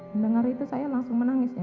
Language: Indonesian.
mendengar itu saya langsung menangis ya